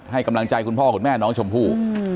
ให้กำลังใจคุณพ่อคุณแม่น้องชมพู่